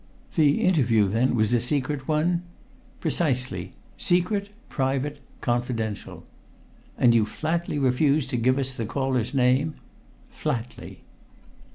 "The interview, then, was a secret one?" "Precisely! Secret; private; confidential." "And you flatly refuse to give us the caller's name?" "Flatly!"